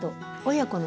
親子の？